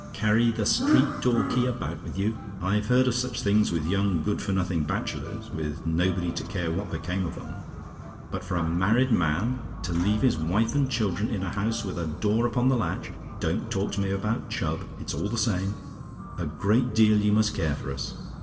Carry the street door key about with you! I've heard of such things with young good for nothing bachelors, with nobody to care what became of 'em; but for a married man to leave his wife and children in a house with a door upon the latch don't talk to me about Chubb, it's all the same a great deal you must care for us.